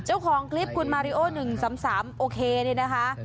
เจ้าของคลิปคุณมาริโอ๑๓๓โอเคนี่นะคะ